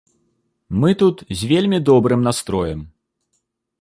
Мы тут з вельмі добрым настроем.